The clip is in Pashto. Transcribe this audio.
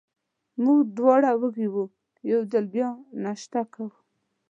موږ دواړه وږي وو، یو ځل بیا ناشته کوو.